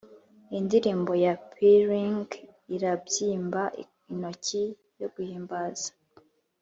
indirimbo ya pealing irabyimba inoti yo guhimbaza.